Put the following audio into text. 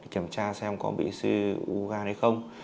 kiểm tra xem có bị siêu u gan hay không